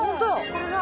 これだ。